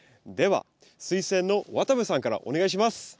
ではスイセンの渡部さんからお願いします。